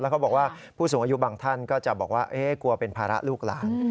เขาบอกว่าผู้สูงอายุบางท่านก็จะบอกว่ากลัวเป็นภาระลูกหลาน